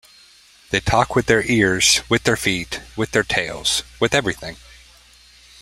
They talk with their ears, with their feet, with their tails — with everything.